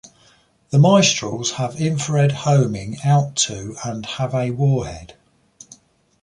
The Mistrals have infrared homing out to and have a warhead.